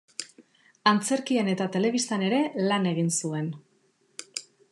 Antzerkian eta telebistan ere lan egin zuen.